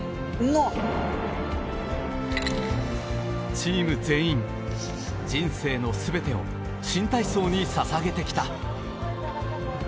チーム全員、人生の全てを新体操に捧げてきた。